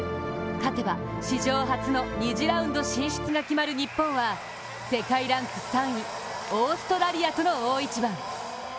勝てば、史上初の２次ラウンド進出が決まる日本は世界ランク３位、オーストラリアとの大一番。